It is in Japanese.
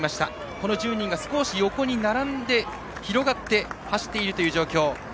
この１０人が横に並んで広がって走っているという状況。